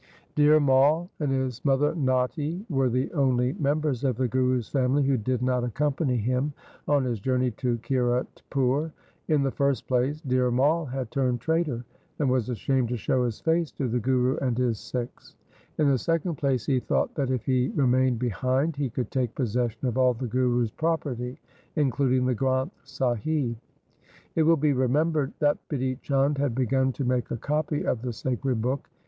Dhir Mai and his mother Natti were the only members of the Guru's family who did not accompany him on his journey to Kiratpur. In the first place, Dhir Mai had turned traitor, and was ashamed to show his face to the Guru and his Sikhs. In the second place, he thought that, if he remained behind, he could take possession of all the Guru's property, including the Granth Sahib. It will be remembered that Bidhi Chand had begun to make a copy of the sacred book.